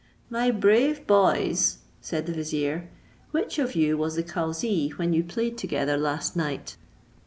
"My brave boys," said the vizier, "which of you was the cauzee when you played together last night?"